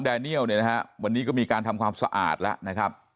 แนเนียลเนี่ยนะฮะวันนี้ก็มีการทำความสะอาดแล้วนะครับ